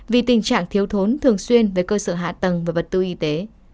vì tình trạng thiếu thốn thường xuyên về cơ sở hạ tầng và vật tư y tế